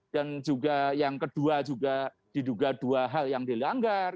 dan juga yang kedua juga diduga dua hal yang dilanggar